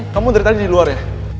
kamu dari tadi di luar ya